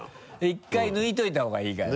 １回抜いておいた方がいいから。